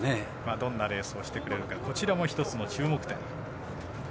どんなレースをしてくれるかこちらも一つ、注目点。